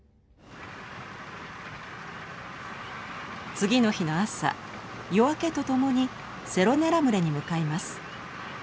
次の日の朝夜明けとともにセロネラ群れに向かいます。